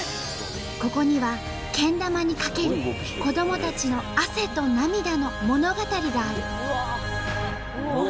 ここにはけん玉に懸ける子どもたちの汗と涙の物語がある。